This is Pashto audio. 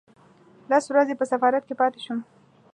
لس ورځې په سفارت کې پاتې شوم.